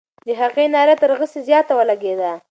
د هغې ناره تر غسي زیاته ولګېده.